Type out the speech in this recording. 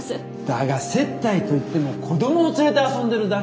だが接待と言っても子どもを連れて遊んでるだけじゃないのか？